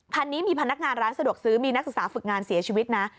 คันนี้มีพนักงานร้านสะดวกซื้อมีนักศึกษาฝึกงานเสียชีวิตนะ